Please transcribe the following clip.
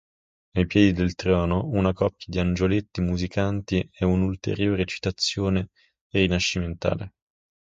Ai piedi del trono, una coppia di angioletti musicanti è un'ulteriore citazione rinascimentale.